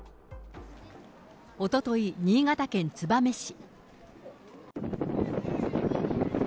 おととい、新潟県燕市。